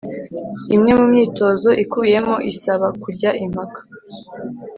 Imwe mu myitozo ikubiyemo isaba kujya impaka